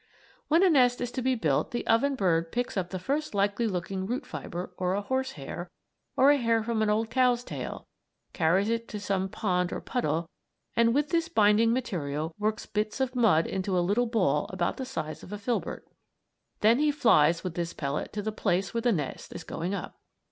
When a nest is to be built the oven bird picks up the first likely looking root fibre, or a horsehair, or a hair from an old cow's tail, carries it to some pond or puddle and, with this binding material, works bits of mud into a little ball about the size of a filbert. Then he flies with this pellet to the place where the nest is going up.